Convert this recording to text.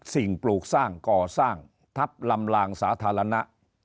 ปลูกสร้างก่อสร้างทับลำลางสาธารณะ